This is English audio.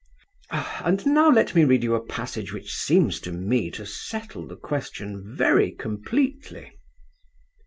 And now let me read you a passage which seems to me to settle the question very completely.